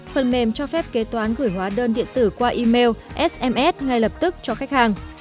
phần mềm cho phép kế toán gửi hóa đơn điện tử qua email sms ngay lập tức cho khách hàng